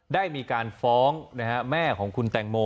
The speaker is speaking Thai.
ได้มีการฟ้องแม่ของคุณแตงโม